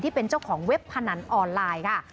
เป็นเจ้าของเว็บพนันออนไลน์ค่ะ